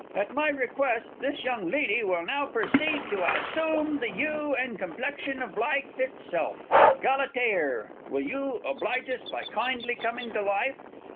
_) At my request, this young lydy will now perceed to assoom the yew and kimplexion of life itself. Galatear, will you oblige us by kindly coming to life?